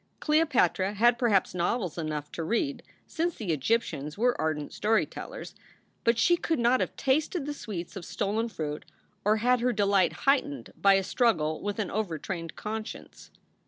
Cleopatra had perhaps novels enough to read, since the Egyptians were ardent story tellers, but she could not have tasted the sweets of stolen fruit or had her delight heightened by a struggle with an overtrained conscience.